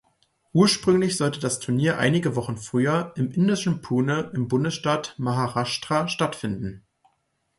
Ursprünglich sollte das Turnier einige Wochen früher im indischen Pune im Bundesstaat Maharashtra stattfinden.